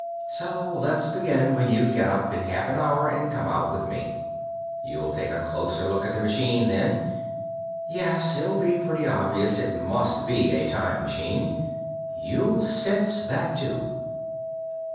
So let's begin when you get up in half an hour and come out with me. You'll take a closer look at the machine, then. Yes, it'll be pretty obvious it must be a time machine. You'll sense that, too.